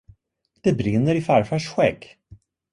Det brinner i farfars skägg!